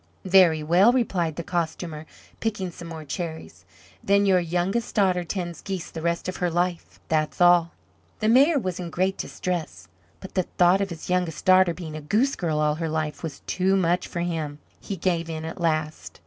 "Very well," replied the Costumer, picking some more cherries, "then your youngest daughter tends geese the rest of her life, that's all." The Mayor was in great distress; but the thought of his youngest daughter being a goose girl all her life was too much for him. He gave in at last.